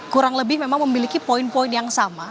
kurang lebih memang memiliki poin poin yang sama